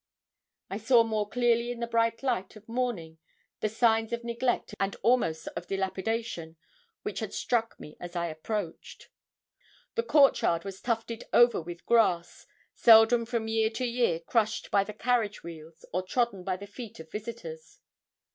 I saw more clearly in the bright light of morning the signs of neglect and almost of dilapidation which had struck me as I approached. The court yard was tufted over with grass, seldom from year to year crushed by the carriage wheels, or trodden by the feet of visitors.